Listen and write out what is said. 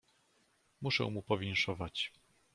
"Muszę mu powinszować."